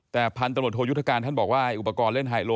แต่พันตำรวจโทยุทธการท่านบอกว่าอุปกรณ์เล่นไฮโล